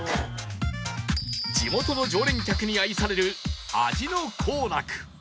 地元の常連客に愛される味の幸楽